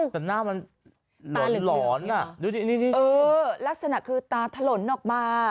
แต่หน้ามันหลอนหลอนอ่ะดูดิดิดิเออลักษณะคือตาถลนออกมา